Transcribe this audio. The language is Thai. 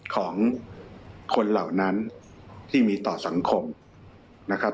ของคนเหล่านั้นที่มีต่อสังคมนะครับ